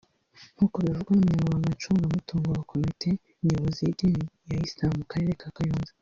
nk’uko bivugwa n’umunyamabanga ncungamutungo wa komite nyobozi y’idini ya Islam mu karere ka Kayonza